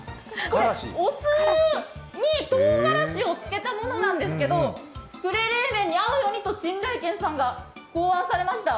お酢にとうがらしを漬けたものなんですけど、呉冷麺に合うようにと、珍来軒さんが考案されました。